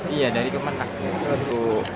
iya dari kemenang